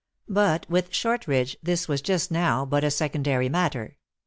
But with Shortridge this w T as just now but a secondary matter.